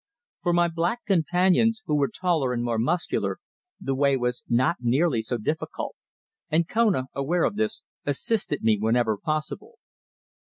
For my black companions, who were taller and more muscular, the way was not nearly so difficult, and Kona, aware of this, assisted me whenever possible.